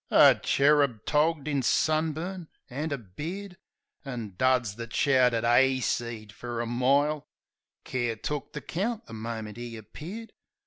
A cherub togged in sunburn an' a beard An' duds that shouted " 'Ayseed 1" fer a mile : Care took the count the minute 'e appeared.